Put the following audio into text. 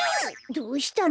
どうしたの？